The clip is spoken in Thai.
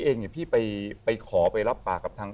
แต่ในมือผมพี่เอง